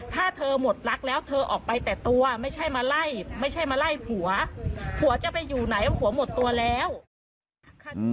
ถ้าเธอหมดรักแล้วเธอออกไปแต่ตัวไม่ใช่มาไล่ไม่ใช่มาไล่ผัวผัวจะไปอยู่ไหนว่าผัวหมดตัวแล้ว